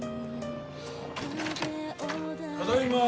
ただいまー。